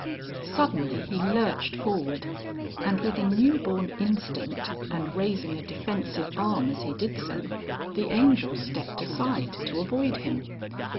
Suddenly he lurched forward, and with a newborn instinct and raising a defensive arm as he did so, the Angel stepped aside to avoid him.